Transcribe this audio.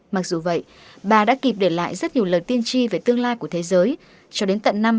mặc dù vậy bà đã kịp để lại rất nhiều lời tiên tri về tương lai của thế giới cho đến tận năm năm nghìn bảy mươi chín